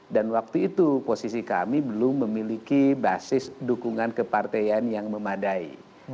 dan waktu itu posisi kami belum memiliki basis dukungan keparteian yang memadai